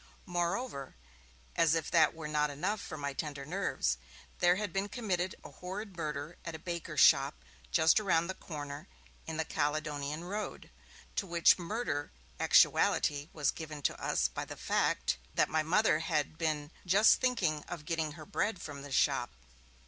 Moreover, as if this were not enough for my tender nerves, there had been committed a horrid murder at a baker's shop just around the corner in the Caledonian Road, to which murder actuality was given to us by the fact that my Mother had been 'just thinking' of getting her bread from this shop.